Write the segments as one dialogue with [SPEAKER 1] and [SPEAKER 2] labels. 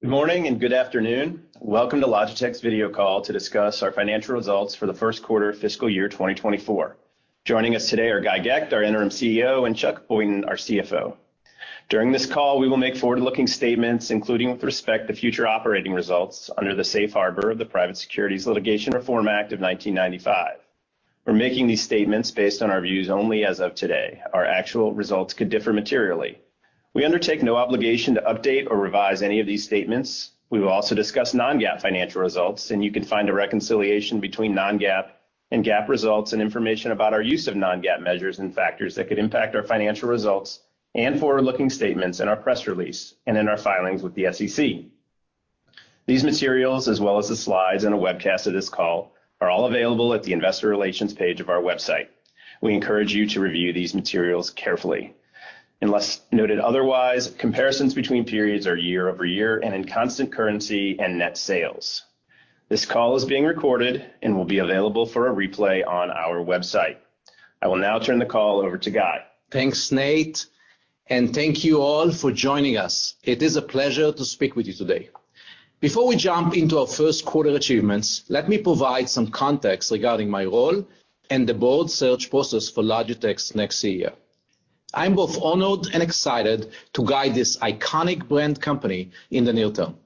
[SPEAKER 1] Good morning and good afternoon. Welcome to Logitech's video call to discuss our financial results for the first quarter of fiscal year 2024. Joining us today are Guy Gecht, our interim CEO, and Chuck Boynton, our CFO. During this call, we will make forward-looking statements, including with respect to future operating results under the Safe Harbor of the Private Securities Litigation Reform Act of 1995. We're making these statements based on our views only as of today. Our actual results could differ materially. We undertake no obligation to update or revise any of these statements. We will also discuss non-GAAP financial results, and you can find a reconciliation between non-GAAP and GAAP results and information about our use of non-GAAP measures and factors that could impact our financial results and forward-looking statements in our press release and in our filings with the SEC. These materials, as well as the slides and a webcast of this call, are all available at the investor relations page of our website. We encourage you to review these materials carefully. Unless noted otherwise, comparisons between periods are year-over-year and in constant currency and net sales. This call is being recorded and will be available for a replay on our website. I will now turn the call over to Guy.
[SPEAKER 2] Thanks Nate and thank you all for joining us. It is a pleasure to speak with you today. Before we jump into our first quarter achievements, let me provide some context regarding my role and the board search process for Logitech's next CEO. I'm both honored and excited to guide this iconic brand company in the near term.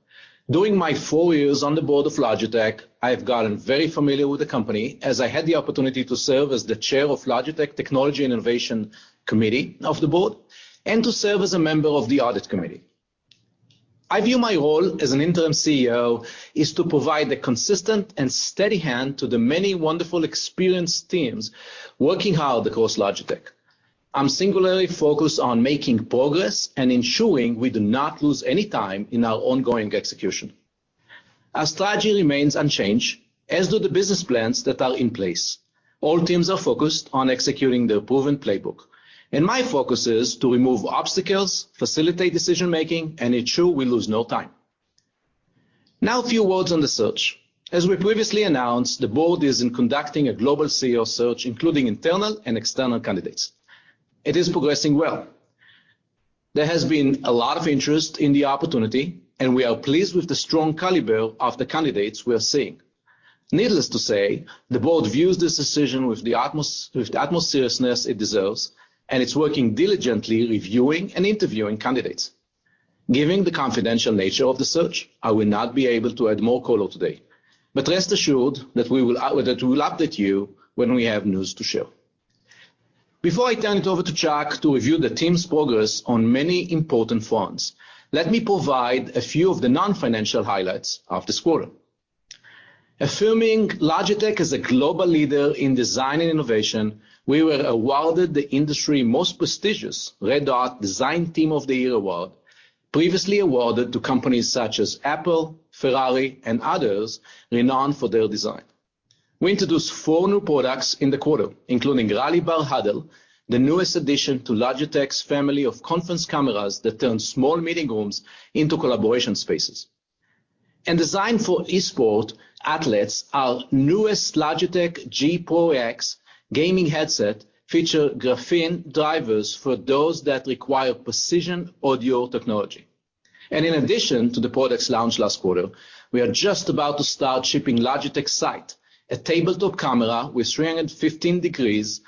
[SPEAKER 2] During my four years on the board of Logitech, I have gotten very familiar with the company as I had the opportunity to serve as the Chair of Logitech Technology and Innovation Committee of the board and to serve as a member of the audit committee. I view my role as an interim CEO is to provide a consistent and steady hand to the many wonderful, experienced teams working hard across Logitech. I'm singularly focused on making progress and ensuring we do not lose any time in our ongoing execution. Our strategy remains unchanged, as do the business plans that are in place. All teams are focused on executing their proven playbook. My focus is to remove obstacles, facilitate decision-making, and ensure we lose no time. A few words on the search. As we previously announced, the board is in conducting a global CEO search, including internal and external candidates. It is progressing well. There has been a lot of interest in the opportunity and we are pleased with the strong caliber of the candidates we are seeing. Needless to say, the board views this decision with the utmost seriousness it deserves, and it's working diligently, reviewing and interviewing candidates. Given the confidential nature of the search, I will not be able to add more color today. Rest assured that we will update you when we have news to share. Before I turn it over to Chuck to review the team's progress on many important fronts, let me provide a few of the non-financial highlights of this quarter. Affirming Logitech is a global leader in design and innovation, we were awarded the industry's most prestigious Red Dot Design Team of the Year Award, previously awarded to companies such as Apple, Ferrari, and others renowned for their design. We introduced four new products in the quarter, including Rally Bar Huddle, the newest addition to Logitech's family of conference cameras that turn small meeting rooms into collaboration spaces. Designed for Esports athletes, our newest Logitech G PRO X gaming headset features graphene drivers for those that require precision audio technology. In addition to the products launched last quarter, we are just about to start shipping Logitech Sight, a tabletop camera with 315 degrees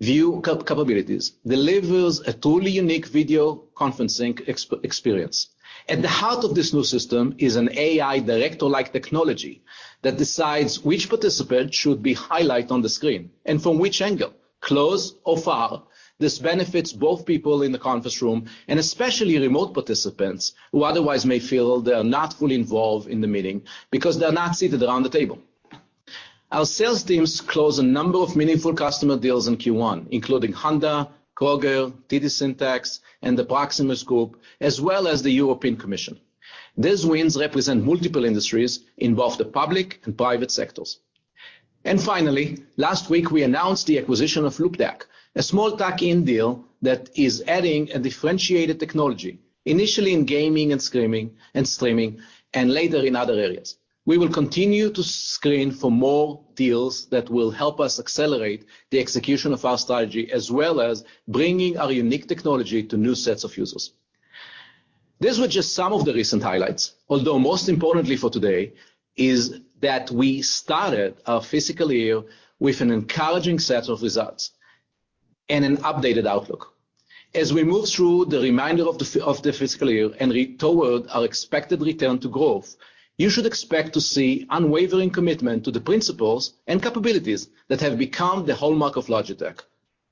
[SPEAKER 2] view capabilities, delivers a truly unique video conferencing experience. At the heart of this new system is an AI director-like technology that decides which participant should be highlighted on the screen and from which angle, close or far. This benefits both people in the conference room and especially remote participants, who otherwise may feel they are not fully involved in the meeting because they are not seated around the table. Our sales teams closed a number of meaningful customer deals in Q1, including Honda, Kroger, TD SYNNEX, and the Proximus Group, as well as the European Commission. These wins represent multiple industries in both the public and private sectors. Finally, last week, we announced the acquisition of Loupedeck, a small tack-in deal that is adding a differentiated technology, initially in gaming and streaming, and later in other areas. We will continue to screen for more deals that will help us accelerate the execution of our strategy, as well as bringing our unique technology to new sets of users. These were just some of the recent highlights, although most importantly for today, is that we started our fiscal year with an encouraging set of results and an updated outlook. As we move through the remainder of the fiscal year and toward our expected return to growth, you should expect to see unwavering commitment to the principles and capabilities that have become the hallmark of Logitech.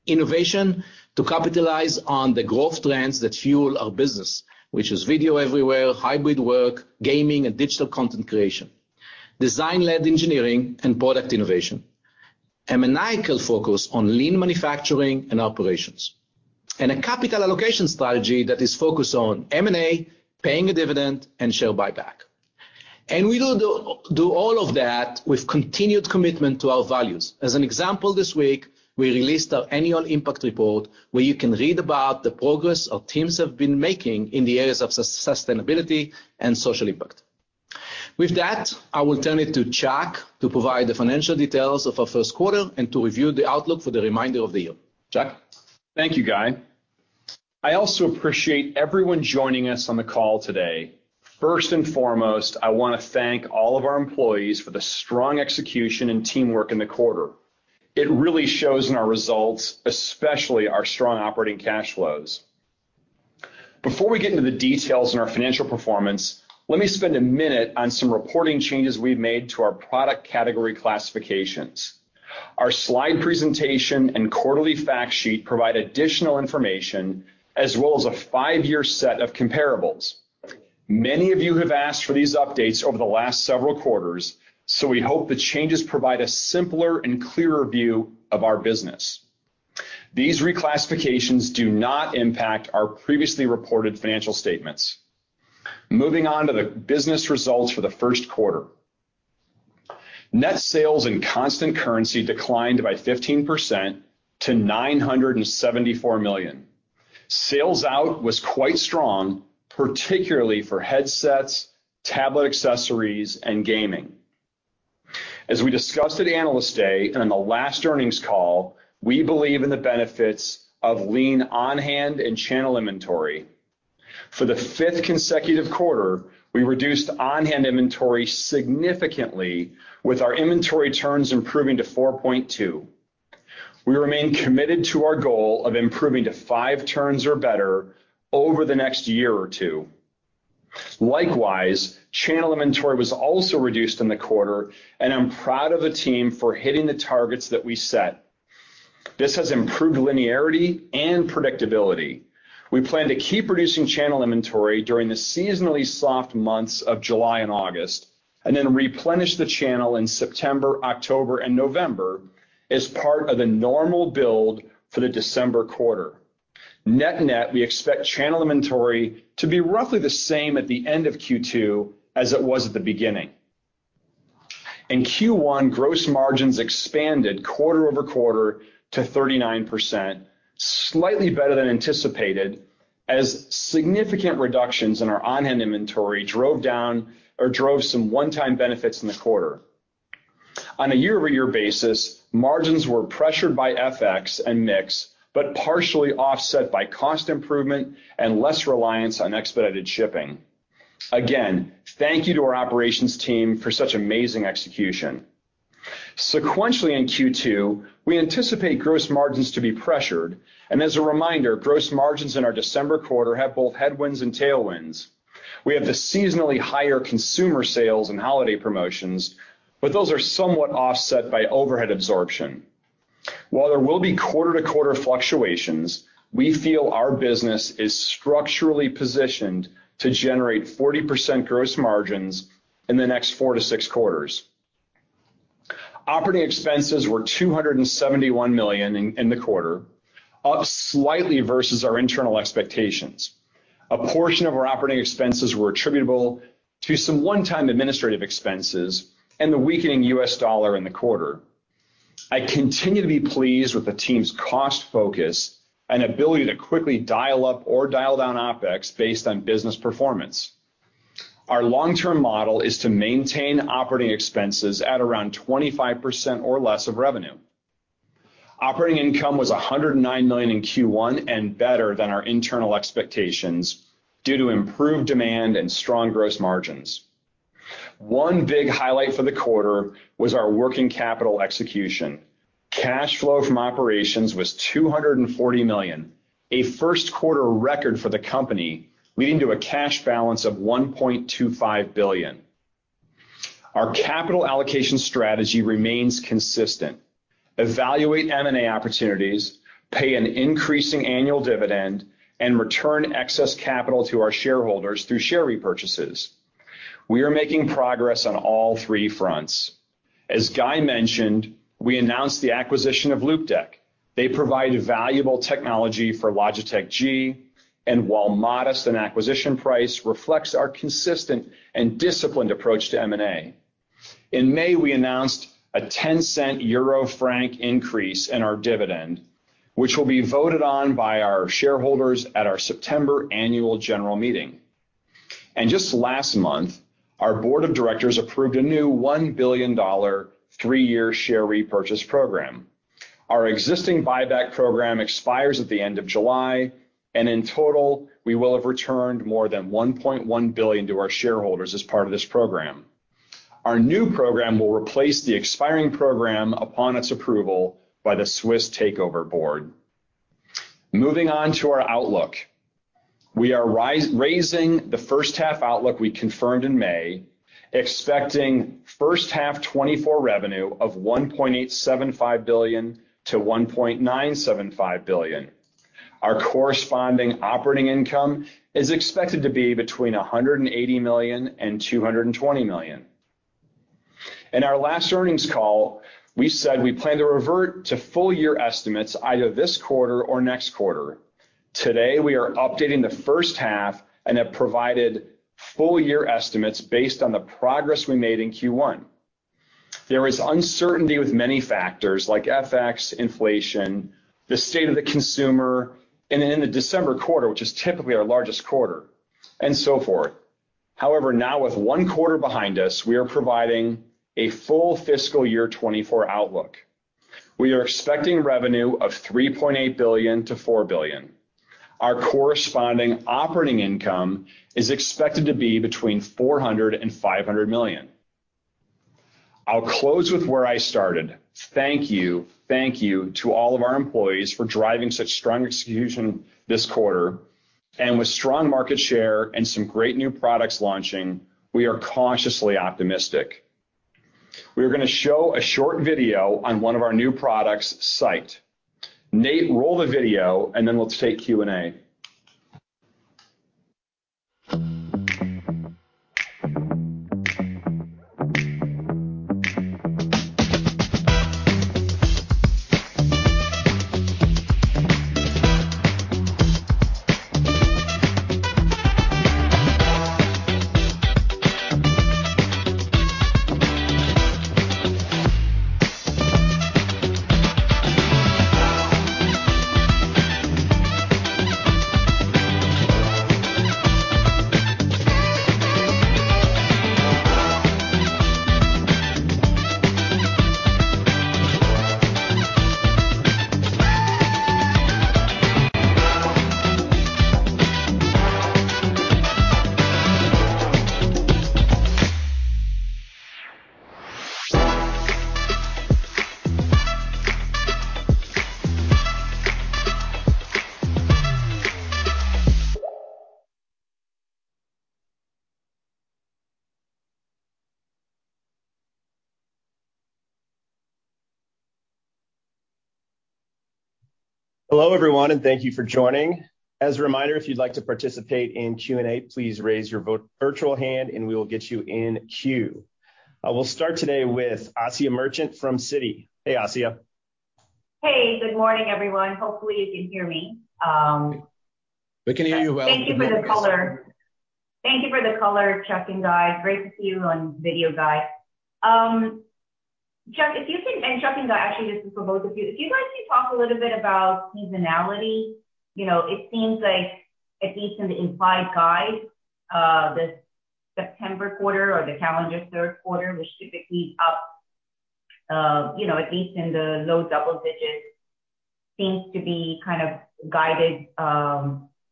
[SPEAKER 2] Innovation to capitalize on the growth trends that fuel our business, which is video everywhere, hybrid work, gaming, and digital content creation. Design-led engineering and product innovation, a maniacal focus on lean manufacturing and operations, a capital allocation strategy that is focused on M&A, paying a dividend, and share buyback. We will do all of that with continued commitment to our values. As an example, this week, we released our annual impact report, where you can read about the progress our teams have been making in the areas of sustainability and social impact. With that, I will turn it to Chuck to provide the financial details of our first quarter and to review the outlook for the reminder of the year. Chuck?
[SPEAKER 3] Thank you Guy. I also appreciate everyone joining us on the call today. First and foremost, I want to thank all of our employees for the strong execution and teamwork in the quarter. It really shows in our results, especially our strong operating cash flows. Before we get into the details in our financial performance, let me spend a minute on some reporting changes we've made to our product category classifications. Our slide presentation and quarterly fact sheet provide additional information, as well as a five-year set of comparables. Many of you have asked for these updates over the last several quarters, so we hope the changes provide a simpler and clearer view of our business. These reclassifications do not impact our previously reported financial statements. Moving on to the business results for the first quarter. Net sales and constant currency declined by 15% to $974 million. Sales out was quite strong, particularly for headsets, tablet accessories, and gaming. As we discussed at Analyst Day and in the last earnings call, we believe in the benefits of lean on-hand and channel inventory. For the fifth consecutive quarter, we reduced on-hand inventory significantly with our inventory turns improving to 4.2. We remain committed to our goal of improving to five turns or better over the next one or two. Likewise, channel inventory was also reduced in the quarter, and I'm proud of the team for hitting the targets that we set. This has improved linearity and predictability. We plan to keep reducing channel inventory during the seasonally soft months of July and August, and then replenish the channel in September, October and November as part of the normal build for the December quarter. Net net, we expect channel inventory to be roughly the same at the end of Q2 as it was at the beginning. In Q1, gross margins expanded quarter-over-quarter to 39%, slightly better than anticipated, as significant reductions in our on-hand inventory drove down or drove some one-time benefits in the quarter. On a year-over-year basis, margins were pressured by FX and mix, but partially offset by cost improvement and less reliance on expedited shipping. Again, thank you to our operations team for such amazing execution. Sequentially in Q2, we anticipate gross margins to be pressured, and as a reminder, gross margins in our December quarter have both headwinds and tailwinds. We have the seasonally higher consumer sales and holiday promotions, but those are somewhat offset by overhead absorption. While there will be quarter-to-quarter fluctuations, we feel our business is structurally positioned to generate 40% gross margins in the next four-six quarters. Operating expenses were $271 million in the quarter, up slightly versus our internal expectations. A portion of our operating expenses were attributable to some one-time administrative expenses and the weakening US dollar in the quarter. I continue to be pleased with the team's cost focus and ability to quickly dial up or dial down OpEx based on business performance. Our long-term model is to maintain operating expenses at around 25% or less of revenue. Operating income was $109 million in Q1 and better than our internal expectations due to improved demand and strong gross margins. One big highlight for the quarter was our working capital execution. Cash flow from operations was $240 million, a first-quarter record for the company, leading to a cash balance of $1.25 billion. Our capital allocation strategy remains consistent: evaluate M&A opportunities, pay an increasing annual dividend, and return excess capital to our shareholders through share repurchases. We are making progress on all three fronts. As Guy mentioned, we announced the acquisition of Loupedeck. They provide valuable technology for Logitech G, and while modest, an acquisition price reflects our consistent and disciplined approach to M&A. In May, we announced a 0.10 increase in our dividend, which will be voted on by our shareholders at our September annual general meeting. Just last month, our board of directors approved a new $1 billion three-year share repurchase program. Our existing buyback program expires at the end of July, and in total, we will have returned more than $1.1 billion to our shareholders as part of this program. Our new program will replace the expiring program upon its approval by the Swiss Takeover Board. Moving on to our outlook. We are raising the first half outlook we confirmed in May, expecting first half 2024 revenue of $1.875 billion to $1.975 billion. Our corresponding operating income is expected to be between $180 million and $220 million. In our last earnings call, we said we plan to revert to full year estimates either this quarter or next quarter. Today, we are updating the first half and have provided full year estimates based on the progress we made in Q1.... Now with one quarter behind us, we are providing a full fiscal year 2024 outlook. We are expecting revenue of $3.8 billion-$4 billion. Our corresponding operating income is expected to be between $400 million and $500 million. I'll close with where I started. Thank you, thank you to all of our employees for driving such strong execution this quarter, and with strong market share and some great new products launching, we are cautiously optimistic. We are going to show a short video on one of our new products, Sight. Nate, roll the video, and then we'll take Q&A.
[SPEAKER 1] Hello, everyone, and thank you for joining. As a reminder, if you'd like to participate in Q&A, please raise your virtual hand, and we will get you in queue. I will start today with Asiya Merchant from Citi. Hey, Asiya.
[SPEAKER 4] Hey, good morning everyone. Hopefully, you can hear me.
[SPEAKER 3] We can hear you well.
[SPEAKER 4] Thank you for the color. Thank you for the color Chuck and Guy. Great to see you on video, Guy. Chuck, actually this is for both of you. If you guys can talk a little bit about seasonality. You know, it seems like, at least in the implied guide, the September quarter or the calendar third quarter, which typically is up, you know, at least in the low double digits, seems to be kind of guided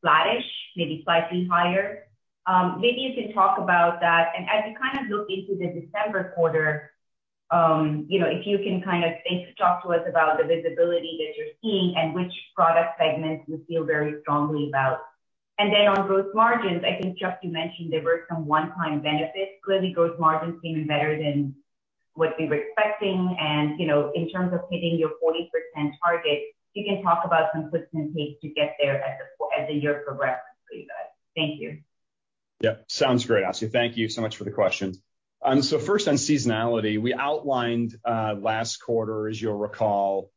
[SPEAKER 4] flattish, maybe slightly higher. Maybe you can talk about that. As you kind of look into the December quarter, you know, if you can kind of talk to us about the visibility that you're seeing and which product segments you feel very strongly about. Then on gross margins, I think, Chuck you mentioned there were some one-time benefits. Clearly, gross margins seem better than what we were expecting and you know, in terms of hitting your 40% target, you can talk about some puts in place to get there as the year progressed. Thank you.
[SPEAKER 3] Yeah. Sounds great Asiya, thank you so much for the questions. First, on seasonality, we outlined last quarter, as you'll recall,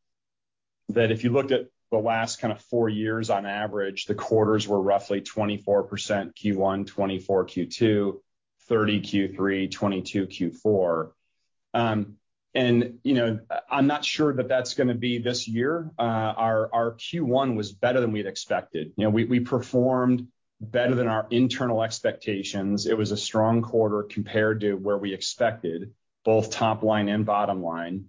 [SPEAKER 3] that if you looked at the last kind of four years, on average, the quarters were roughly 24% Q1, 24% Q2, 30% Q3, 22% Q4. You know, I'm not sure that's going to be this year. Our Q1 was better than we'd expected. You know, we performed better than our internal expectations. It was a strong quarter compared to where we expected, both top line and bottom line.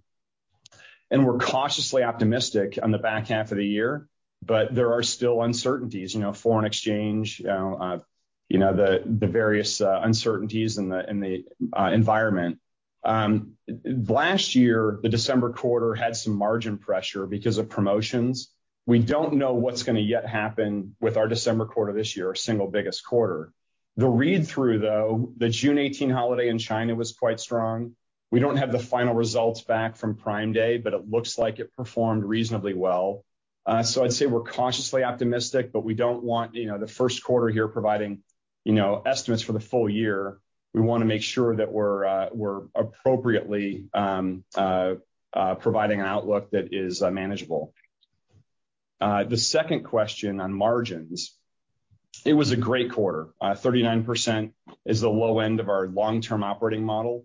[SPEAKER 3] We're cautiously optimistic on the back half of the year, but there are still uncertainties, you know, foreign exchange, you know, the various uncertainties in the environment. Last year, the December quarter had some margin pressure because of promotions. We don't know what's going to yet happen with our December quarter this year, our single biggest quarter. The read-through, though, the June 18 holiday in China was quite strong. We don't have the final results back from Prime Day, but it looks like it performed reasonably well. So I'd say we're cautiously optimistic, but we don't want, you know, the first quarter here providing, you know, estimates for the full year. We want to make sure that we're appropriately providing an outlook that is manageable. The second question on margins, it was a great quarter, 39% is the low end of our long-term operating model.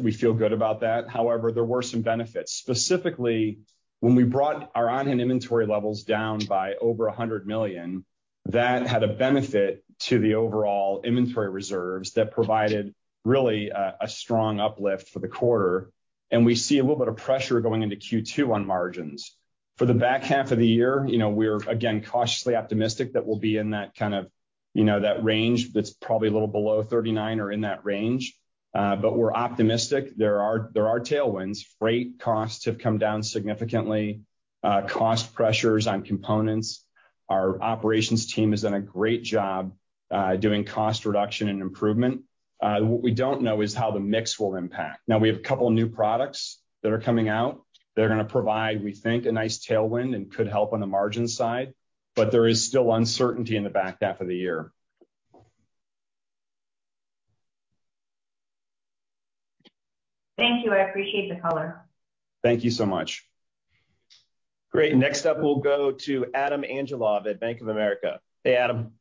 [SPEAKER 3] We feel good about that. However, there were some benefits. Specifically, when we brought our on-hand inventory levels down by over $100 million, that had a benefit to the overall inventory reserves that provided really a strong uplift for the quarter. We see a little bit of pressure going into Q2 on margins. For the back half of the year, you know, we're again, cautiously optimistic that we'll be in that kind of, you know, that range that's probably a little below 39% or in that range. We're optimistic. There are tailwinds. Freight costs have come down significantly. Cost pressures on components. Our operations team has done a great job doing cost reduction and improvement. What we don't know is how the mix will impact. We have a couple of new products that are coming out that are going to provide, we think, a nice tailwind and could help on the margin side, but there is still uncertainty in the back half of the year.
[SPEAKER 4] Thank you, I appreciate the color.
[SPEAKER 3] Thank you so much.
[SPEAKER 1] Great. Next up, we'll go to Adam Angelov at Bank of America. Hey, Adam.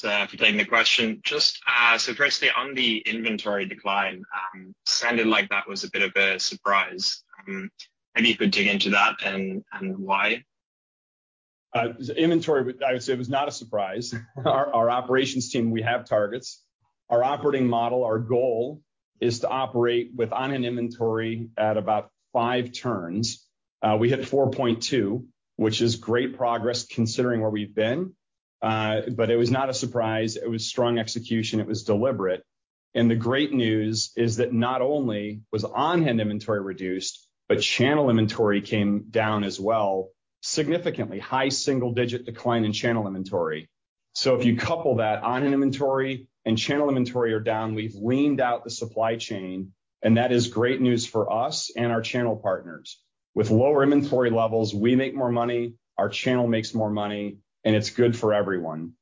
[SPEAKER 5] Thanks for taking the question. Just firstly, on the inventory decline, sounded like that was a bit of a surprise. Maybe you could dig into that and why?
[SPEAKER 3] Inventory, I would say, it was not a surprise. Our operations team, we have targets. Our operating model, our goal, is to operate with on-hand inventory at about five turns. We hit 4.2, which is great progress considering where we've been. It was not a surprise. It was strong execution, it was deliberate. The great news is that not only was on-hand inventory reduced, but channel inventory came down as well, significantly. High single-digit decline in channel inventory. If you couple that on-hand inventory and channel inventory are down, we've leaned out the supply chain, and that is great news for us and our channel partners. With lower inventory levels, we make more money, our channel makes more money, and it's good for everyone.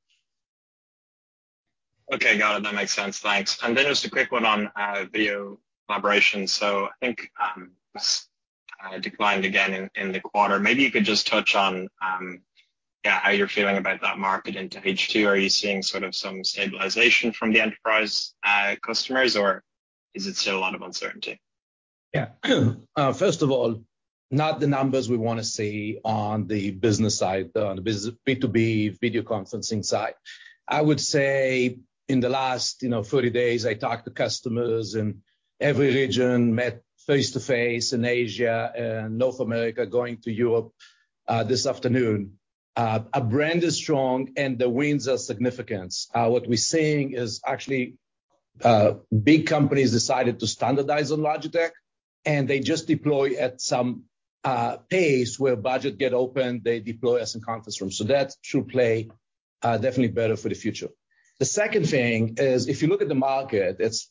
[SPEAKER 5] Okay, got it. That makes sense, thanks. Just a quick one on video collaboration. I think it declined again in the quarter. Maybe you could just touch on, yeah, how you're feeling about that market into H2? Are you seeing sort of some stabilization from the enterprise customers, or is it still a lot of uncertainty?
[SPEAKER 2] First of all, not the numbers we wanna see on the business, B2B video conferencing side. I would say in the last, you know, 30 days, I talked to customers in every region, met face-to-face in Asia and North America, going to Europe this afternoon. Our brand is strong and the wins are significant. What we're seeing is actually big companies decided to standardize on Logitech, and they just deploy at some pace where budget get open, they deploy us in conference rooms. That should play definitely better for the future. The second thing is, if you look at the market, it's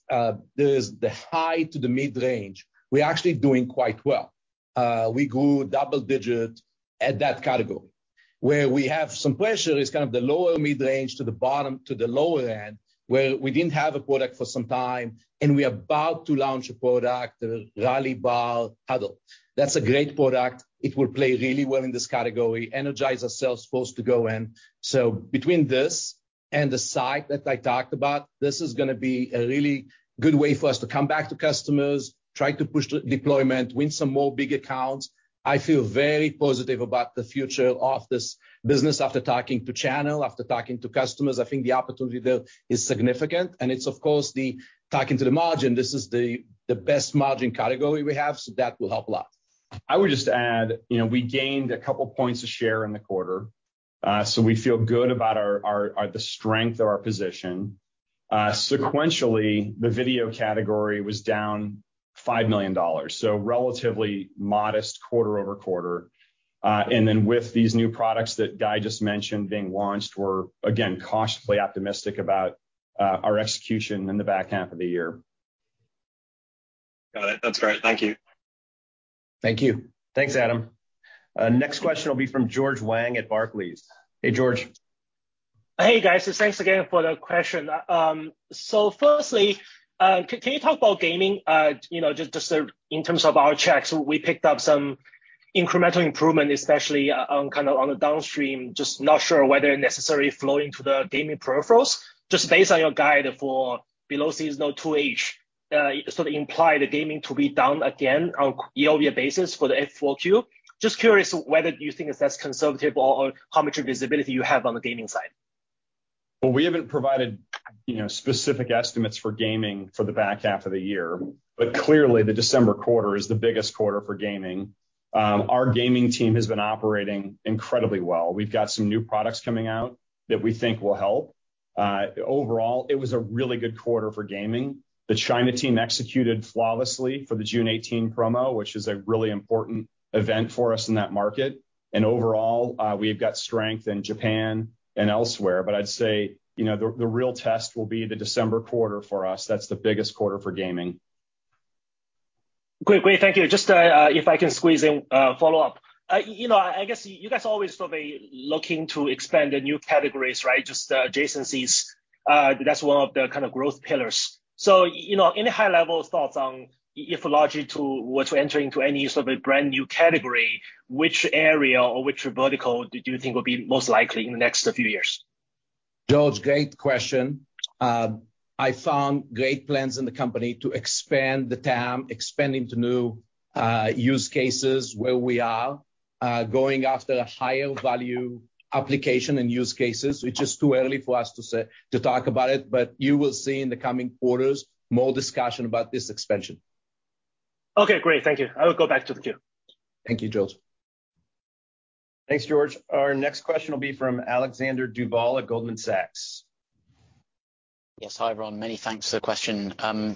[SPEAKER 2] there's the high to the mid-range. We're actually doing quite well. We grew double-digit at that category. Where we have some pressure is kind of the lower mid-range to the bottom, to the lower end, where we didn't have a product for some time, and we're about to launch a product, Rally Bar Huddle, that's a great product. It will play really well in this category, energize ourselves, supposed to go in. Between this and the Sight that I talked about, this is gonna be a really good way for us to come back to customers, try to push the deployment, win some more big accounts. I feel very positive about the future of this business after talking to channel, after talking to customers, I think the opportunity there is significant, it's, of course, the talking to the margin. This is the best margin category we have, that will help a lot.
[SPEAKER 3] I would just add, you know, we gained 2 points of share in the quarter. We feel good about our the strength of our position. Sequentially, the video category was down $5 million, relatively modest quarter-over-quarter. With these new products that Guy just mentioned being launched, we're again, cautiously optimistic about our execution in the back half of the year.
[SPEAKER 5] Got it, that's great. Thank you.
[SPEAKER 2] Thank you.
[SPEAKER 1] Thanks, Adam. Next question will be from George Wang at Barclays. Hey George.
[SPEAKER 6] Hey guys, thanks again for the question. Firstly, can you talk about gaming? you know, just in terms of our checks, we picked up some incremental improvement especially on, kind of, on the downstream, just not sure whether it necessarily flowing to the gaming peripherals. based on your guide for below seasonal 2H, so they imply the gaming to be down again on year-over-year basis for the F4Q. curious whether you think it's less conservative or how much visibility you have on the gaming side?
[SPEAKER 3] Well, we haven't provided, you know, specific estimates for gaming for the back half of the year, but clearly the December quarter is the biggest quarter for gaming. Our gaming team has been operating incredibly well. We've got some new products coming out that we think will help. Overall, it was a really good quarter for gaming. The China team executed flawlessly for the 6.18 promo, which is a really important event for us in that market. Overall, we've got strength in Japan and elsewhere, but I'd say, you know, the real test will be the December quarter for us. That's the biggest quarter for gaming.
[SPEAKER 6] Great, thank you. Just, if I can squeeze in a follow-up. You know, I guess you guys are always sort of looking to expand the new categories, right? Just, adjacencies. That's one of the kind of growth pillars. You know, any high-level thoughts on if Logitech were to enter into any sort of a brand-new category, which area or which vertical do you think will be most likely in the next few years?
[SPEAKER 2] George, great question. I found great plans in the company to expand the TAM, expand into new use cases where we are going after higher value application and use cases. It's just too early for us to talk about it. You will see in the coming quarters more discussion about this expansion.
[SPEAKER 6] Okay, great. Thank you, I will go back to the queue.
[SPEAKER 2] Thank you George.
[SPEAKER 3] Thanks George. Our next question will be from Alex Duval at Goldman Sachs.
[SPEAKER 7] Yes. Hi, everyone, many thanks for the question.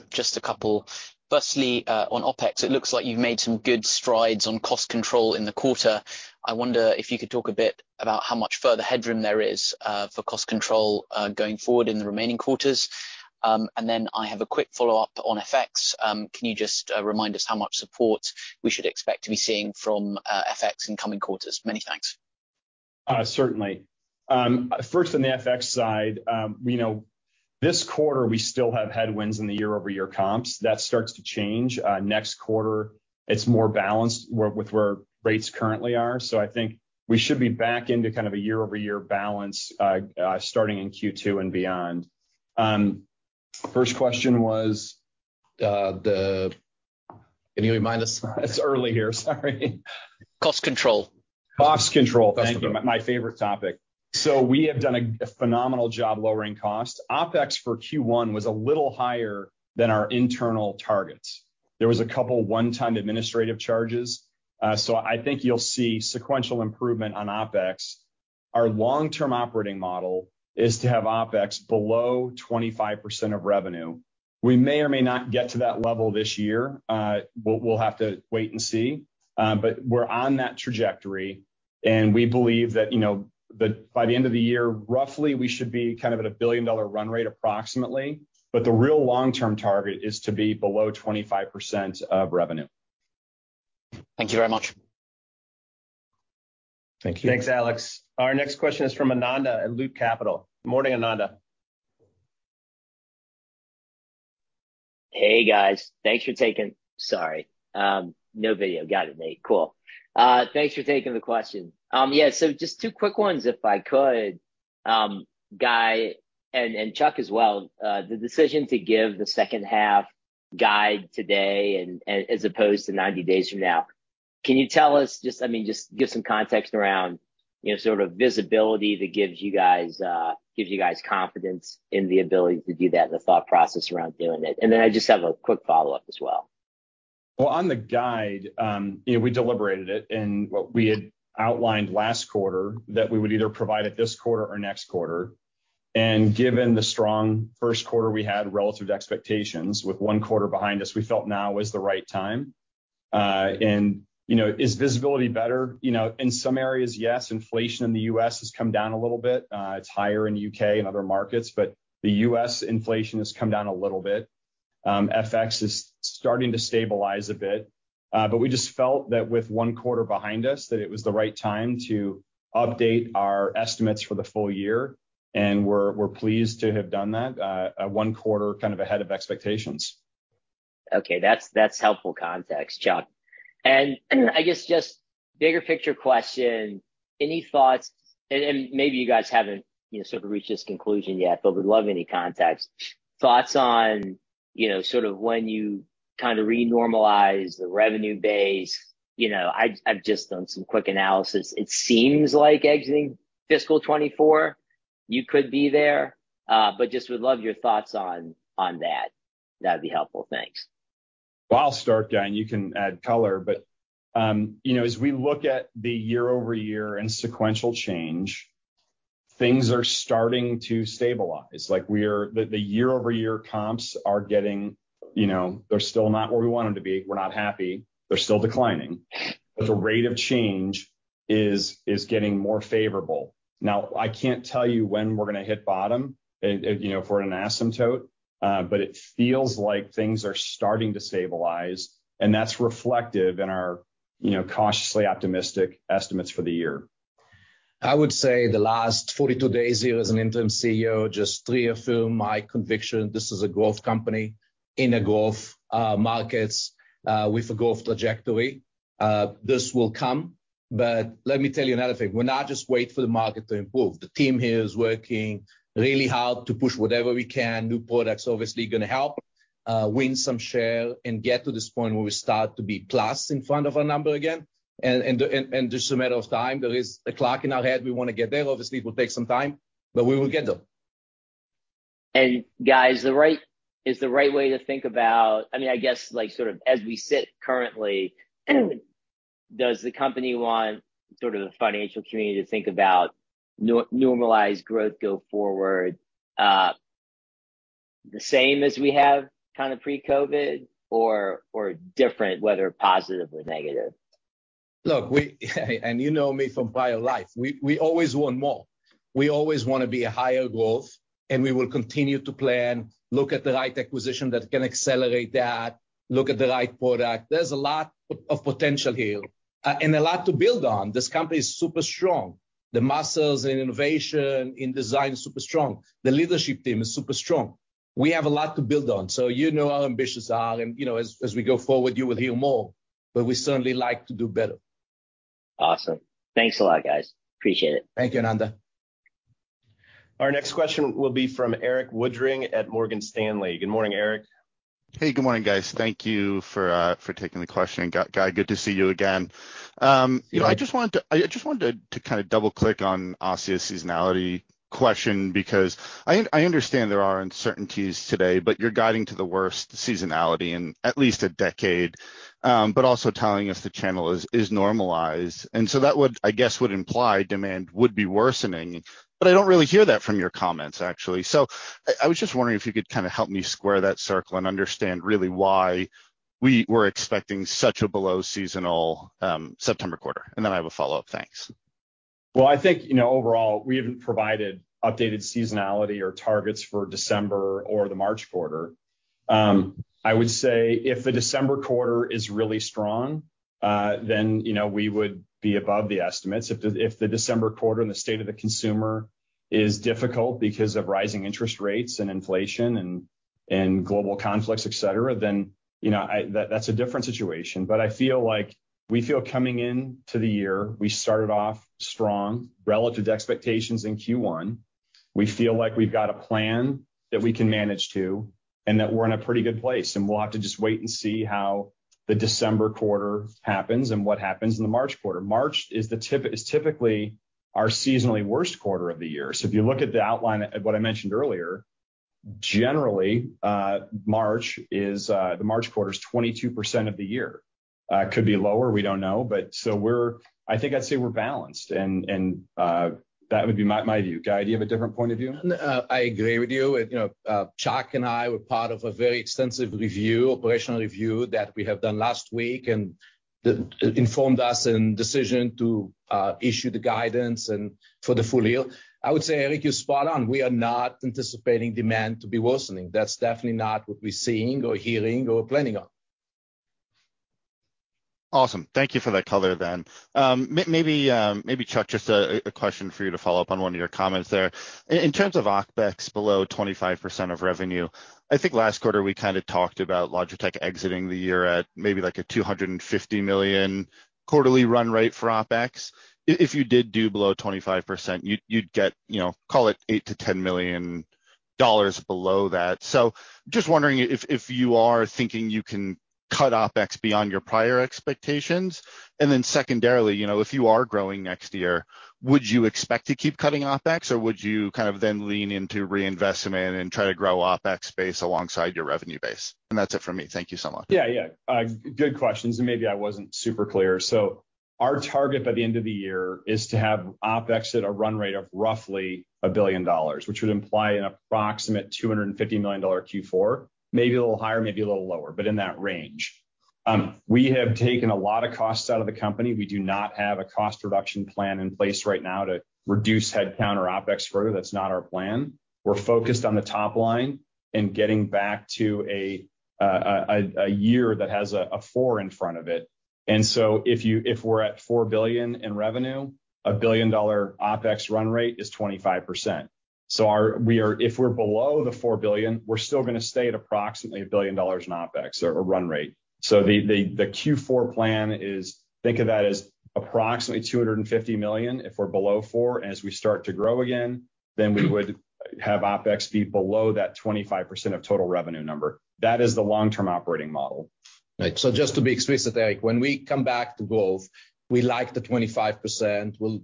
[SPEAKER 7] Just a couple, firstly, on OpEx, it looks like you've made some good strides on cost control in the quarter. I wonder if you could talk a bit about how much further headroom there is for cost control going forward in the remaining quarters? I have a quick follow-up on FX. Can you just remind us how much support we should expect to be seeing from FX in coming quarters? Many thanks.
[SPEAKER 3] Certainly. First, on the FX side, this quarter, we still have headwinds in the year-over-year comps. That starts to change next quarter, it's more balanced with where rates currently are. I think we should be back into kind of a year-over-year balance starting in Q2 and beyond. First question was, Can you remind us? It's early here. Sorry.
[SPEAKER 7] Cost control.
[SPEAKER 3] Cost control.
[SPEAKER 7] That's the one.
[SPEAKER 3] Thank you. My favorite topic. We have done a phenomenal job lowering costs. OpEx for Q1 was a little higher than our internal targets. There was a couple one-time administrative charges. I think you'll see sequential improvement on OpEx. Our long-term operating model is to have OpEx below 25% of revenue. We may or may not get to that level this year, but we'll have to wait and see. We're on that trajectory, and we believe that, you know, by the end of the year, roughly, we should be kind of at a billion-dollar run rate, approximately, but the real long-term target is to be below 25% of revenue.
[SPEAKER 7] Thank you very much.
[SPEAKER 3] Thank you.
[SPEAKER 1] Thanks Alex. Our next question is from Ananda at Loop Capital. Good morning Ananda.
[SPEAKER 8] Hey, guys. Sorry no video. Got it Nate. Cool. Thanks for taking the question. just two quick ones, if I could. Guy and Chuck as well, the decision to give the second half guide today and as opposed to 90 days from now, can you tell us, I mean, just give some context around, you know, sort of visibility that gives you guys confidence in the ability to do that and the thought process around doing it? I just have a quick follow-up as well.
[SPEAKER 3] Well, on the guide, you know, we deliberated it, what we had outlined last quarter that we would either provide it this quarter or next quarter. Given the strong first quarter we had relative to expectations, with one quarter behind us, we felt now was the right time. You know, is visibility better? You know, in some areas, yes, inflation in the U.S. has come down a little bit. It's higher in U.K. and other markets. The U.S. inflation has come down a little bit. FX is starting to stabilize a bit, we just felt that with one quarter behind us, that it was the right time to update our estimates for the full year, and we're pleased to have done that, one quarter kind of ahead of expectations.
[SPEAKER 8] Okay, that's helpful context Chuck. I guess just bigger picture question, any thoughts, and maybe you guys haven't, you know, sort of reached this conclusion yet, but would love any context, thoughts on, you know, sort of when you kind of re-normalize the revenue base? You know, I've just done some quick analysis. It seems like exiting fiscal 2024, you could be there, but just would love your thoughts on that. That'd be helpful, thanks.
[SPEAKER 3] I'll start, Guy you can add color but you know, as we look at the year-over-year and sequential change, things are starting to stabilize. The year-over-year comps are getting, you know, they're still not where we want them to be. We're not happy. They're still declining, but the rate of change is getting more favorable. I can't tell you when we're going to hit bottom and, you know, if we're at an asymptote, but it feels like things are starting to stabilize, and that's reflective in our, you know, cautiously optimistic estimates for the year.
[SPEAKER 2] I would say the last 42 days here as an Interim CEO, just to reaffirm my conviction, this is a growth company in a growth markets with a growth trajectory. This will come, let me tell you another thing. We'll not just wait for the market to improve. The team here is working really hard to push whatever we can. New products obviously going to help win some share and get to this point where we start to be plus in front of our number again, and just a matter of time. There is a clock in our head. We want to get there. Obviously, it will take some time. We will get there.
[SPEAKER 8] Guy, is the right way to think about—I mean, I guess, like, sort of, as we sit currently, does the company want sort of the financial community to think about normalized growth go forward, the same as we have kind of pre-COVID or different, whether positive or negative?
[SPEAKER 2] Look, we and you know me from my life, we always want more. We always want to be a higher growth, and we will continue to plan, look at the right acquisition that can accelerate that, look at the right product. There's a lot of potential here, and a lot to build on. This company is super strong. The muscles in innovation, in design, super strong. The leadership team is super strong. We have a lot to build on. You know how ambitious I am, and, you know, as we go forward, you will hear more, but we certainly like to do better.
[SPEAKER 8] Awesome, thanks a lot guys. Appreciate it.
[SPEAKER 2] Thank you Ananda.
[SPEAKER 1] Our next question will be from Erik Woodring at Morgan Stanley. Good morning Eric.
[SPEAKER 9] Hey, good morning guys, thank you for taking the question. Guy, good to see you again. You know, I just wanted to kind of double-click on Asiya's seasonality question, because I understand there are uncertainties today, but you're guiding to the worst seasonality in at least a decade, but also telling us the channel is normalized. That would, I guess, would imply demand would be worsening, but I don't really hear that from your comments, actually. I was just wondering if you could kind of help me square that circle and understand really why we were expecting such a below-seasonal September quarter. I have a follow-up. Thanks.
[SPEAKER 3] Well, I think, you know, overall, we haven't provided updated seasonality or targets for December or the March quarter. I would say if the December quarter is really strong, then, you know, we would be above the estimates. If the December quarter and the state of the consumer is difficult because of rising interest rates and inflation and global conflicts, et cetera, then, you know, that's a different situation. I feel like we feel coming into the year, we started off strong, relative to expectations in Q1. We feel like we've got a plan that we can manage to, and that we're in a pretty good place, and we'll have to just wait and see how the December quarter happens and what happens in the March quarter. March is typically our seasonally worst quarter of the year. If you look at the outline of what I mentioned earlier, generally, March is, the March quarter is 22% of the year. Could be lower, we don't know, but I think I'd say we're balanced, and that would be my view. Guy, do you have a different point of view?
[SPEAKER 2] I agree with you. You know, Chuck and I were part of a very extensive review, operational review, that we have done last week, and it informed us in decision to issue the guidance and for the full year. I would say Erik, you're spot on. We are not anticipating demand to be worsening. That's definitely not what we're seeing or hearing or planning on.
[SPEAKER 9] Awesome. Thank you for that color. Chuck, just a question for you to follow up on one of your comments there. In terms of OpEx below 25% of revenue, I think last quarter, we kind of talked about Logitech exiting the year at maybe like a $250 million quarterly run rate for OpEx. If you did do below 25%, you'd get, you know, call it $8 million-$10 million below that. Just wondering if you are thinking you can cut OpEx beyond your prior expectations. Secondarily, you know, if you are growing next year, would you expect to keep cutting OpEx, or would you kind of then lean into reinvestment and try to grow OpEx base alongside your revenue base? That's it for me. Thank you so much.
[SPEAKER 3] Yeah, yeah. Good questions, and maybe I wasn't super clear. Our target by the end of the year is to have OpEx at a run rate of roughly $1 billion, which would imply an approximate $250 million Q4, maybe a little higher, maybe a little lower, but in that range. We have taken a lot of costs out of the company. We do not have a cost reduction plan in place right now to reduce headcount or OpEx further. That's not our plan. We're focused on the top line and getting back to a year that has a four in front of it. If we're at $4 billion in revenue, a $1 billion OpEx run rate is 25%. Our—if we're below the $4 billion, we're still gonna stay at approximately $1 billion in OpEx or run rate. The Q4 plan is, think of that as approximately $250 million if we're below $4 billion, and as we start to grow again, we would have OpEx be below that 25% of total revenue number. That is the long-term operating model.
[SPEAKER 2] Right. Just to be explicit Erik, when we come back to growth, we like the 25%,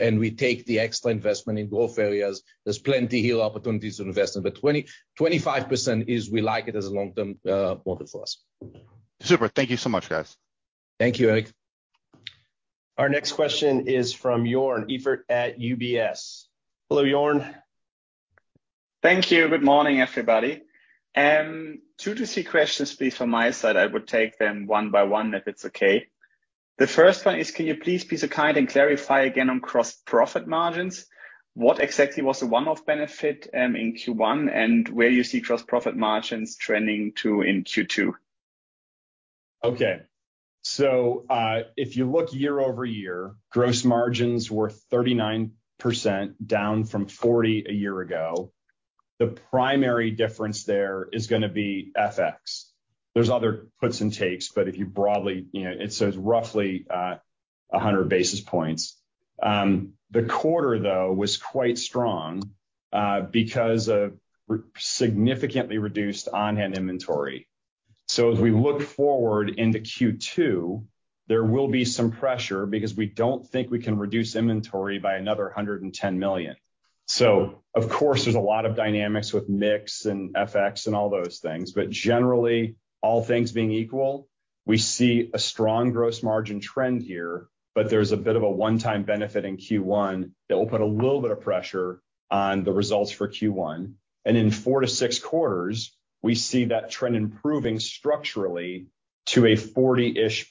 [SPEAKER 2] and we take the extra investment in growth areas. There's plenty here, opportunities to invest in, but 20%-25% is we like it as a long-term model for us.
[SPEAKER 9] Super, thank you so much, guys.
[SPEAKER 2] Thank you Erik.
[SPEAKER 1] Our next question is from Joern Iffert at UBS. Hello, Joern.
[SPEAKER 10] Thank you, good morning everybody. Two to three questions, please, from my side. I would take them one by one, if it's okay. The first one is, can you please be so kind and clarify again on gross profit margins? What exactly was the one-off benefit in Q1, and where you see gross profit margins trending to in Q2?
[SPEAKER 3] Okay. If you look year-over-year, gross margins were 39%, down from 40 a year ago. The primary difference there is gonna be FX. There's other puts and takes, but if you broadly, you know, it says roughly 100 basis points. The quarter, though, was quite strong because of significantly reduced on-hand inventory. As we look forward into Q2, there will be some pressure because we don't think we can reduce inventory by another $110 million. Of course, there's a lot of dynamics with mix and FX and all those things, but generally, all things being equal, we see a strong gross margin trend here, but there's a bit of a one-time benefit in Q1 that will put a little bit of pressure on the results for Q1. In four to six quarters, we see that trend improving structurally to a 40%-ish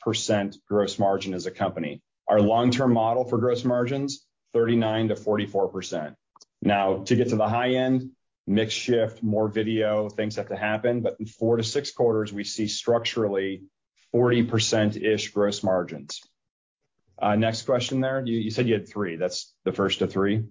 [SPEAKER 3] gross margin as a company. Our long-term model for gross margins, 39%-44%. Now, to get to the high end, mix shift, more video, things have to happen, but in four to six quarters, we see structurally 40%-ish gross margins. Next question there. You said you had three. That's the first of three?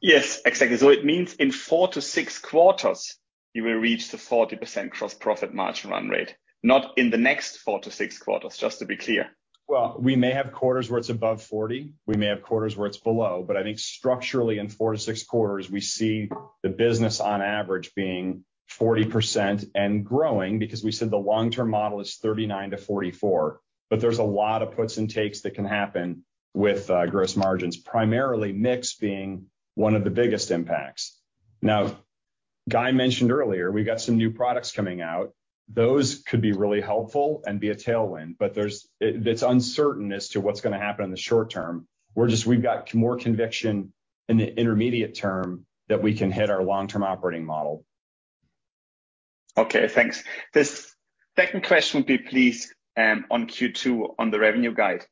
[SPEAKER 10] Yes, exactly. It means in four to six quarters, you will reach the 40% gross profit margin run rate, not in the next four to six quarters, just to be clear.
[SPEAKER 3] Well, we may have quarters where it's above 40, we may have quarters where it's below, but I think structurally in four-six quarters, we see the business on average being 40% and growing, because we said the long-term model is 39%-44%. There's a lot of puts and takes that can happen with gross margins, primarily mix being one of the biggest impacts. Now, Guy mentioned earlier, we've got some new products coming out. Those could be really helpful and be a tailwind, but it's uncertain as to what's gonna happen in the short term. We're just, we've got more conviction in the intermediate term that we can hit our long-term operating model.
[SPEAKER 10] Okay, thanks. This second question would be, please, on Q2, on the revenue guide.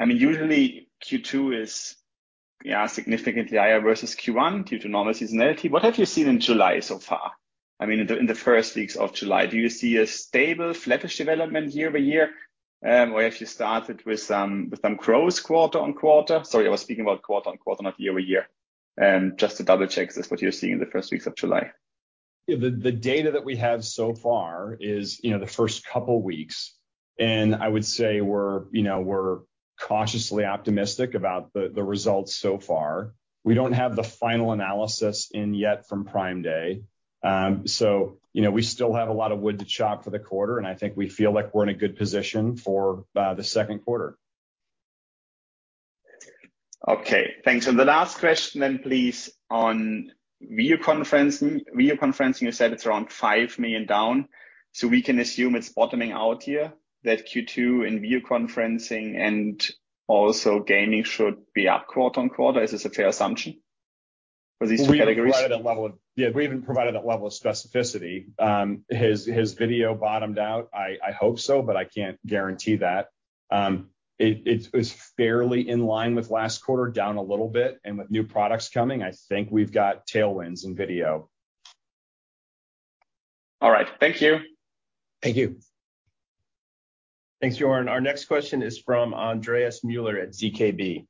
[SPEAKER 10] I mean, usually Q2 is significantly higher versus Q1 due to normal seasonality. What have you seen in July so far? I mean, in the first weeks of July, do you see a stable flattish development year-over-year, or have you started with some growth quarter-on-quarter? Sorry, I was speaking about quarter-on-quarter, not year-over-year. Just to double-check this, what you're seeing in the first weeks of July?
[SPEAKER 3] Yeah. The data that we have so far is, you know, the first couple weeks, I would say we're, you know, we're cautiously optimistic about the results so far. We don't have the final analysis in yet from Prime Day. You know, we still have a lot of wood to chop for the quarter, I think we feel like we're in a good position for the second quarter.
[SPEAKER 10] Okay, thanks. The last question please, on video conferencing. Video conferencing, you said it's around $5 million down. We can assume it's bottoming out here, that Q2 in video conferencing and also gaming should be up quarter-on-quarter. Is this a fair assumption for these categories?
[SPEAKER 3] We haven't provided that level of specificity. Has video bottomed out? I hope so, but I can't guarantee that. It's fairly in line with last quarter, down a little bit. With new products coming, I think we've got tailwinds in video.
[SPEAKER 10] All right, thank you.
[SPEAKER 2] Thank you.
[SPEAKER 1] Thanks Jordan. Our next question is from Andreas Mueller at ZKB.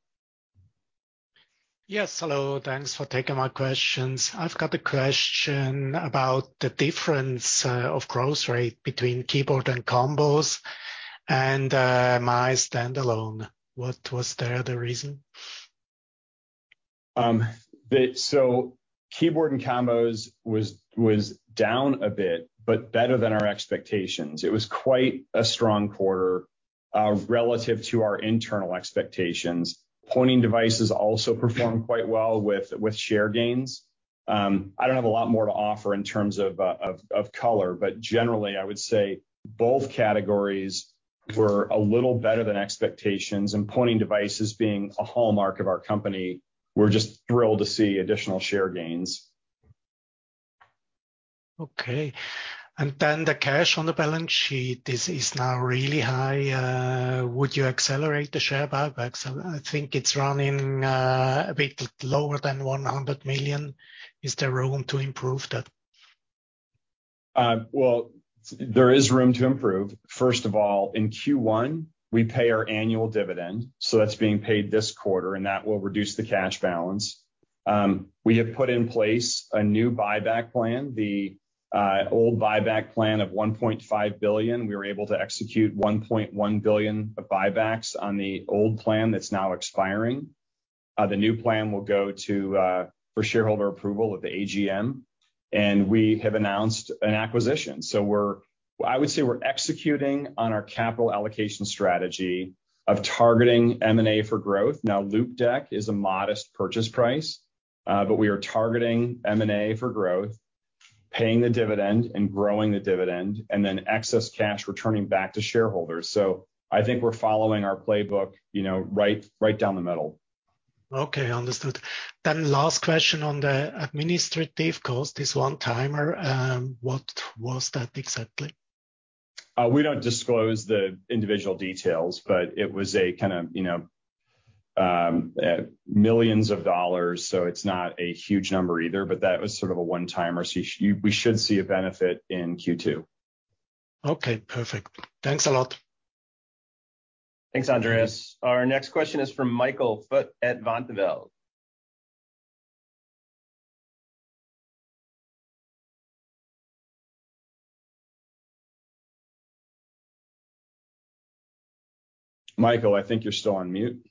[SPEAKER 11] Yes, hello. Thanks for taking my questions. I've got a question about the difference of growth rate between keyboard and combos and my standalone. What was the other reason?
[SPEAKER 3] Keyboard and combos was down a bit, but better than our expectations. It was quite a strong quarter relative to our internal expectations. Pointing devices also performed quite well with share gains. I don't have a lot more to offer in terms of color. Generally, I would say both categories were a little better than expectations. Pointing devices being a hallmark of our company, we're just thrilled to see additional share gains.
[SPEAKER 11] Okay. Then the cash on the balance sheet, this is now really high. Would you accelerate the share buybacks? I think it's running a bit lower than $100 million. Is there room to improve that?
[SPEAKER 3] There is room to improve. First of all, in Q1, we pay our annual dividend, so that's being paid this quarter. That will reduce the cash balance. We have put in place a new buyback plan. The old buyback plan of $1.5 billion, we were able to execute $1.1 billion of buybacks on the old plan that's now expiring. The new plan will go for shareholder approval at the AGM. We have announced an acquisition. I would say we're executing on our capital allocation strategy of targeting M&A for growth. Loupedeck is a modest purchase price. We are targeting M&A for growth, paying the dividend, growing the dividend, then excess cash returning back to shareholders. I think we're following our playbook, you know, right down the middle.
[SPEAKER 11] Okay, understood. Last question on the administrative cost, this one-timer, what was that exactly?
[SPEAKER 3] We don't disclose the individual details, but it was a kind of, you know, millions of dollars, so it's not a huge number either, but that was sort of a one-timer. We should see a benefit in Q2.
[SPEAKER 11] Okay, perfect. Thanks a lot.
[SPEAKER 3] Thanks Andreas. Our next question is from Michael Foeth at Vontobel. Michael, I think you're still on mute.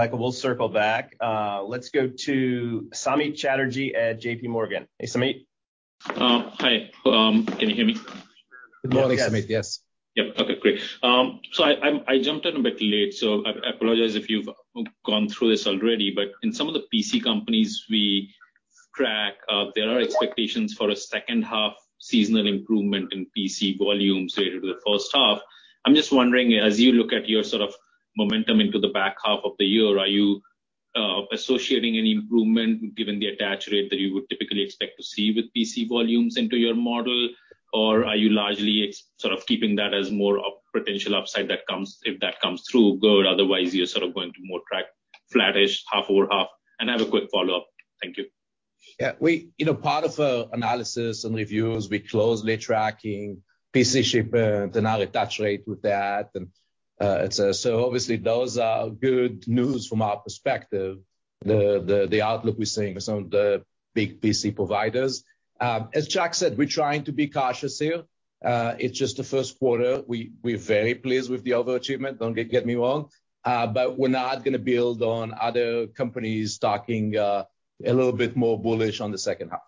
[SPEAKER 3] Michael, we'll circle back. Let's go to Samik Chatterjee at JPMorgan. Hey Samik.
[SPEAKER 12] Hi, can you hear me?
[SPEAKER 2] Good morning Samik.
[SPEAKER 1] Yes.
[SPEAKER 12] Yep. Okay, great. I jumped in a bit late, I apologize if you've gone through this already, in some of the PC companies we track, there are expectations for a second half seasonal improvement in PC volumes related to the first half. I'm just wondering, as you look at your sort of momentum into the back half of the year, are you associating any improvement, given the attach rate that you would typically expect to see with PC volumes into your model? Are you largely keeping that as more of potential upside that comes, if that comes through, good, otherwise, you're sort of going to more track flattish, half over half? I have a quick follow-up. Thank you.
[SPEAKER 2] You know, part of our analysis and reviews, we're closely tracking PC ship, and our attach rate with that, and so obviously, those are good news from our perspective, the, the outlook we're seeing with some of the big PC providers. As Chuck said, we're trying to be cautious here. It's just the first quarter. We're very pleased with the overachievement, don't get me wrong, we're not gonna build on other companies talking a little bit more bullish on the second half.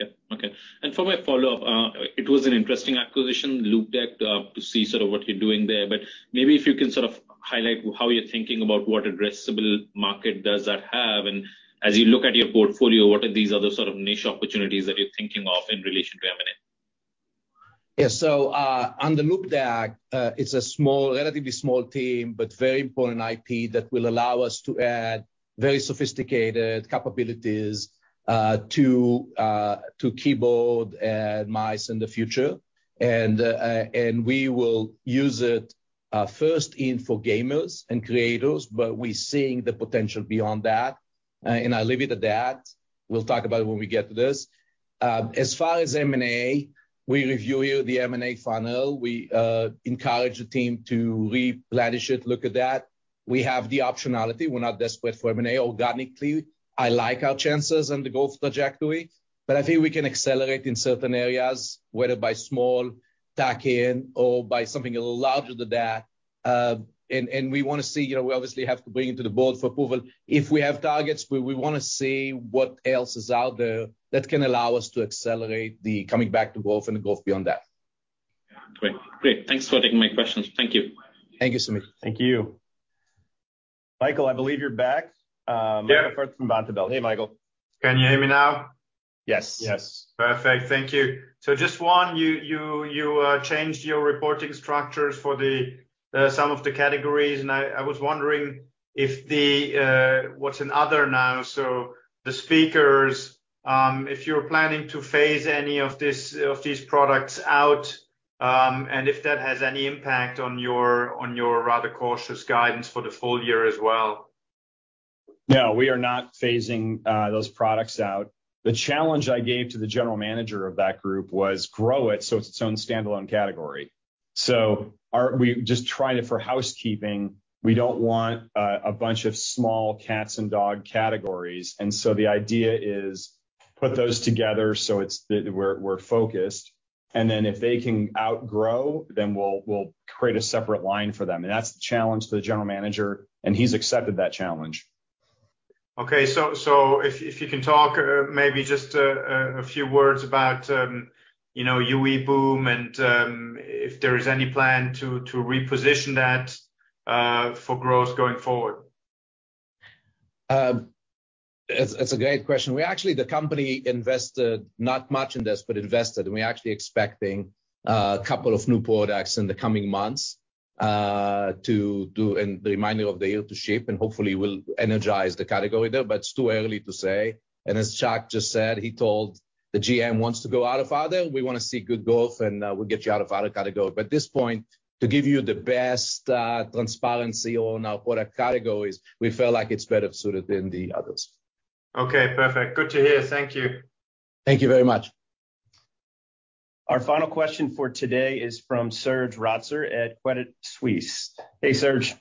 [SPEAKER 12] Yeah, okay. For my follow-up, it was an interesting acquisition, Loupedeck, to see sort of what you're doing there, but maybe if you can sort of highlight how you're thinking about what addressable market does that have, and as you look at your portfolio, what are these other sort of niche opportunities that you're thinking of in relation to M&A?
[SPEAKER 2] Yeah, on the Loupedeck, it's a small, relatively small team, but very important IP that will allow us to add very sophisticated capabilities, to keyboard and mice in the future. We will use it, first in for gamers and creators, but we're seeing the potential beyond that. I'll leave it at that. We'll talk about it when we get to this. As far as M&A, we review you the M&A funnel. We encourage the team to replenish it, look at that. We have the optionality. We're not desperate for M&A. Organically, I like our chances on the growth trajectory, but I think we can accelerate in certain areas, whether by small tack-in or by something a little larger than that. We wanna see, you know, we obviously have to bring it to the board for approval. If we have targets, we wanna see what else is out there that can allow us to accelerate the coming back to growth and the growth beyond that.
[SPEAKER 12] Great, thanks for taking my questions. Thank you.
[SPEAKER 2] Thank you Samik.
[SPEAKER 1] Thank you. Michael I believe you're back.
[SPEAKER 13] Yeah.
[SPEAKER 1] Michael Foeth from Vontobel. Hey Michael.
[SPEAKER 13] Can you hear me now?
[SPEAKER 3] Yes.
[SPEAKER 1] Yes.
[SPEAKER 13] Perfect, thank you. Just one, you changed your reporting structures for some of the categories, I was wondering if what's in other now, so the speakers, if you're planning to phase any of these products out, and if that has any impact on your rather cautious guidance for the full year as well?
[SPEAKER 3] No, we are not phasing those products out. The challenge I gave to the general manager of that group was grow it, so it's its own standalone category. We just trying it for housekeeping, we don't want a bunch of small cats and dog categories, the idea is put those together so it's, that we're focused, then if they can outgrow, we'll create a separate line for them. That's the challenge to the general manager, and he's accepted that challenge.
[SPEAKER 13] Okay. If you can talk maybe just a few words about, you know, UE BOOM, and if there is any plan to reposition that for growth going forward?
[SPEAKER 2] It's a great question. We actually, the company invested not much in this, but invested, and we're actually expecting two new products in the coming months to do, and the reminder of the year to ship, and hopefully will energize the category there. It's too early to say. As Chuck just said, he told the GM wants to go out of other, we wanna see good growth, and we'll get you out of other category. At this point, to give you the best transparency on our product categories, we feel like it's better suited than the others.
[SPEAKER 13] Okay, perfect. Good to hear, thank you.
[SPEAKER 2] Thank you very much.
[SPEAKER 1] Our final question for today is from Serge Rotzer at Credit Suisse. Hey Serge.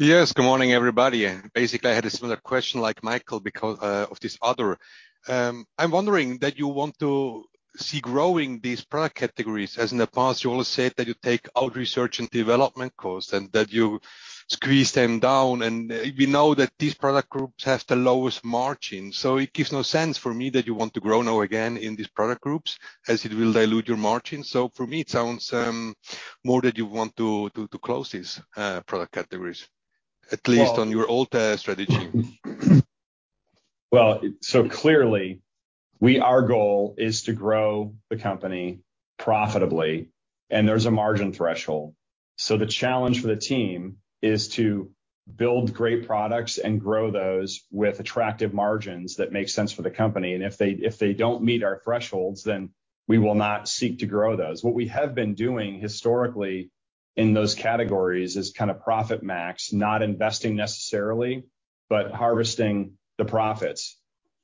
[SPEAKER 14] Yes, good morning, everybody. Basically, I had a similar question like Michael because of this other. I'm wondering that you want to see growing these product categories, as in the past, you always said that you take out research and development costs and that you squeeze them down, and we know that these product groups has the lowest margin, so it gives no sense for me that you want to grow now again in these product groups, as it will dilute your margins. For me, it sounds more that you want to close these product categories, at least on your old strategy.
[SPEAKER 3] Clearly, our goal is to grow the company profitably, and there's a margin threshold. The challenge for the team is to build great products and grow those with attractive margins that make sense for the company. If they don't meet our thresholds, then we will not seek to grow those. What we have been doing historically in those categories is kind of profit max, not investing necessarily, but harvesting the profits.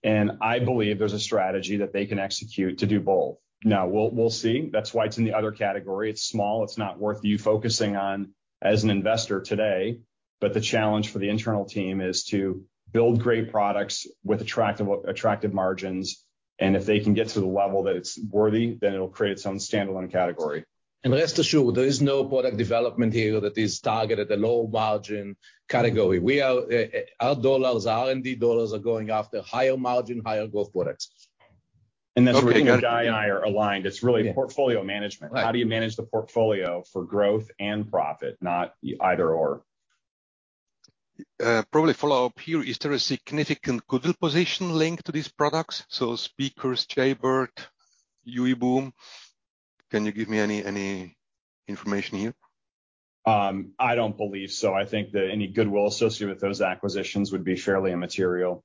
[SPEAKER 3] I believe there's a strategy that they can execute to do both. We'll see. That's why it's in the other category. It's small, it's not worth you focusing on as an investor today. The challenge for the internal team is to build great products with attractive margins, and if they can get to the level that it's worthy, then it'll create its own standalone category.
[SPEAKER 2] Rest assured, there is no product development here that is targeted at low margin category. We are, our dollars, our R&D dollars are going after higher margin, higher growth products.
[SPEAKER 3] That's where Guy and I are aligned. It's really portfolio management.
[SPEAKER 2] Right.
[SPEAKER 3] How do you manage the portfolio for growth and profit, not either/or?
[SPEAKER 14] Probably follow up here, is there a significant Google position linked to these products? speakers, Jaybird, UE BOOM. Can you give me any information here?
[SPEAKER 3] I don't believe so. I think that any goodwill associated with those acquisitions would be fairly immaterial.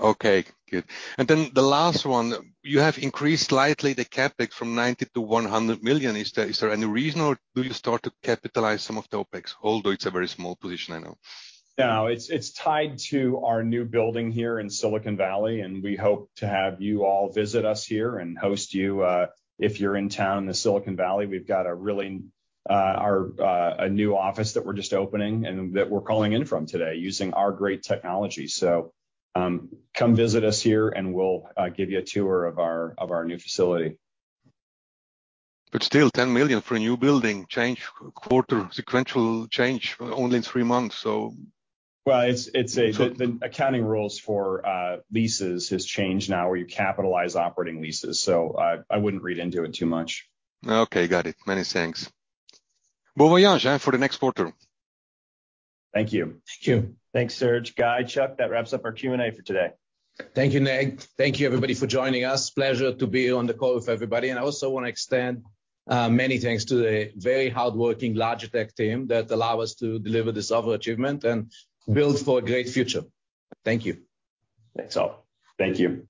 [SPEAKER 14] Okay, good. The last one, you have increased slightly the CapEx from $90 million to $100 million. Is there any reason, or do you start to capitalize some of the OpEx? Although it's a very small position, I know.
[SPEAKER 3] It's tied to our new building here in Silicon Valley, we hope to have you all visit us here and host you if you're in town, the Silicon Valley, we've got a really a new office that we're just opening and that we're calling in from today using our great technology. Come visit us here, and we'll give you a tour of our new facility.
[SPEAKER 14] Still, $10 million for a new building, change quarter, sequential change only in three months.
[SPEAKER 3] It's the accounting rules for leases has changed now, where you capitalize operating leases. I wouldn't read into it too much.
[SPEAKER 14] Okay, got it. Many thanks. Bon voyage for the next quarter.
[SPEAKER 3] Thank you.
[SPEAKER 2] Thank you.
[SPEAKER 1] Thanks Serge. Guy, Chuck, that wraps up our Q&A for today.
[SPEAKER 2] Thank you, Nate. Thank you, everybody, for joining us. Pleasure to be on the call with everybody. I also wanna extend many thanks to the very hardworking Logitech team that allow us to deliver this over achievement and build for a great future. Thank you.
[SPEAKER 3] Thanks all. Thank you.